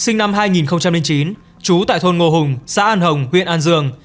năm hai nghìn chín chú tại thôn ngô hùng xã an hồng huyện an dương